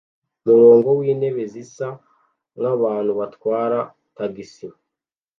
Umurongo wintebe zisa nkabantu batwara tagisi